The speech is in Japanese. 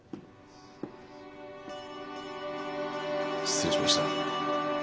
失礼しました。